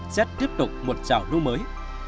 chết tiếp tục một trào lưu mới